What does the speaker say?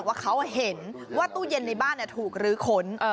ว่าเขาเห็นว่าตู้เย็นในบ้านถูกลื้อขน